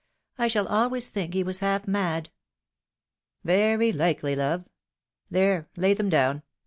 — I shall always think he was half mad." " Very likely, love. There, lay them down.